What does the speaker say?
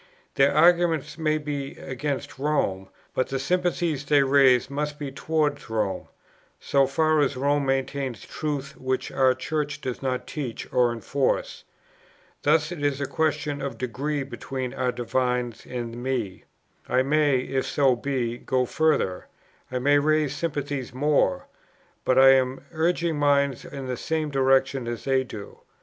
Their arguments may be against Rome, but the sympathies they raise must be towards Rome, so far as Rome maintains truths which our Church does not teach or enforce. Thus it is a question of degree between our divines and me. I may, if so be, go further; I may raise sympathies more; but I am but urging minds in the same direction as they do.